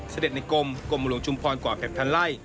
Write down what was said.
เสด็จในกลมกลมวลวงธ์ชุมพรกว่าแผ่งพันไร่